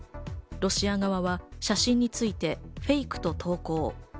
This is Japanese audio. ロシア側は写真についてフェイクと投稿。